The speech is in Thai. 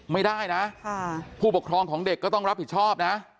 ไม่ได้นะผู้ปกครองของเด็กก็ต้องรับผิดชอบนะ